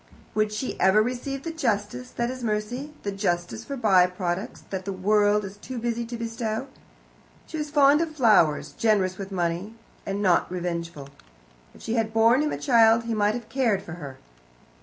Would she ever receive the justice that is mercy the justice for by products that the world is too busy to bestow? She was fond of flowers, generous with money, and not revengeful. If she had borne him a child he might have cared for her.